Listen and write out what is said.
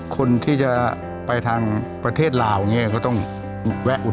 คนที่จะไปทางประเทศลาวอย่างนี้ก็ต้องแวะอุด